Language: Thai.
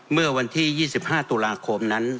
เมื่อวันที่๒๕ตุลาคมนั้น